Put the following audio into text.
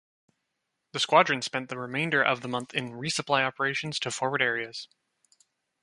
The squadron spent the remainder of the month in resupply operations to forward areas.